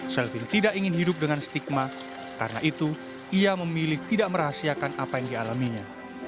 selvin tidak ingin hidup dengan stigma karena itu ia memilih tidak merahasiakan apa yang dialaminya